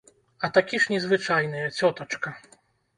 А такі ж незвычайныя, цётачка.